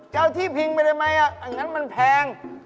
เจ้าที่พิงไปได้ไหมอันนั้นมันแพง